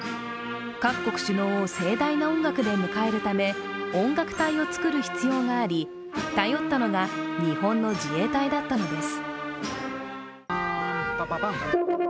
各国首脳を盛大な音楽で迎えるため音楽隊を作る必要があり頼ったのが日本の自衛隊だったのです。